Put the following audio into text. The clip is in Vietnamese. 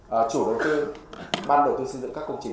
và sau này sẽ thay đổi